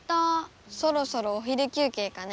そろそろお昼休けいかね。